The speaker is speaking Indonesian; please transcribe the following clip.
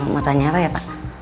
mau tanya apa ya pak